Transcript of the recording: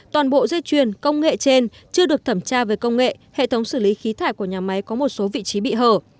toàn bộ dây chuyền công nghệ trên chưa được thẩm tra về công nghệ hệ thống xử lý khí thải của nhà máy có một số vị trí bị hở